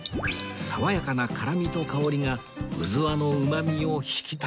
爽やかな辛みと香りがうずわのうまみを引き立てます